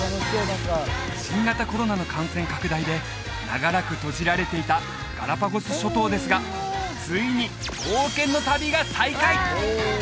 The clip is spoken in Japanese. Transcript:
新型コロナの感染拡大で長らく閉じられていたガラパゴス諸島ですがついに冒険の旅が再開！